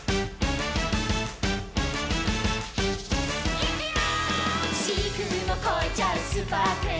「いくよー！」